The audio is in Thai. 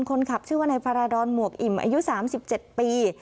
คนขับชื่อว่านายพาราดรหมวกอิ่มอายุ๓๗ปี